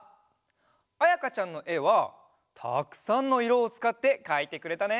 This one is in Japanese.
あやかちゃんのえはたくさんのいろをつかってかいてくれたね！